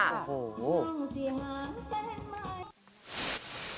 โฮ